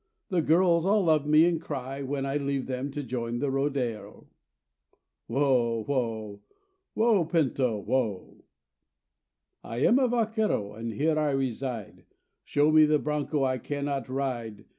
The girls all love me, and cry When I leave them to join the rodero. Whoa! Whoa! Whoa! Pinto, whoa! I am a vaquero, and here I reside; Show me the broncho I cannot ride.